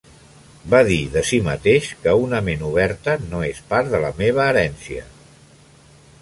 Va dir de si mateix, que una ment oberta no és part de la meva herència.